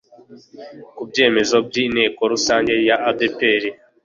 ku byemezo by Inteko Rusange ya ADEPR